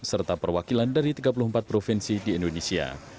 serta perwakilan dari tiga puluh empat provinsi di indonesia